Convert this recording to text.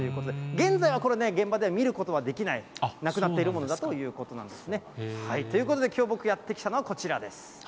現在はこれね、現場では見ることはできない、なくなっているものだということなんですね。ということできょう、僕、やって来たのは、こちらです。